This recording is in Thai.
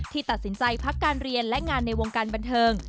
ตัดสินใจพักการเรียนและงานในวงการบันเทิง